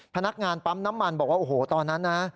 พนักงานปั๊มน้ำมันบอกว่าโอ้โหตอนนั้นนะ